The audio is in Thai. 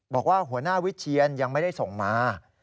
บอกว่าหัวหน้าวิเชียนยังไม่ได้ส่งมา